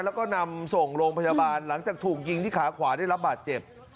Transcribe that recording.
แล้วก็นำส่งโรงพยาบาลหลังจากถูกยิงที่ขาขวาได้รับบาดเจ็บ